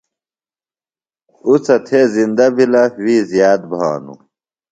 اُڅہ تھےۡ زندہ بِھلہ، وِی زِیات بھانوۡ